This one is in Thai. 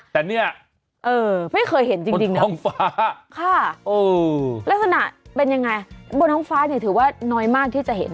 แต่เนี่ยบนห้องฟ้าค่ะลักษณะเป็นยังไงบนห้องฟ้าถือว่าน้อยมากที่จะเห็น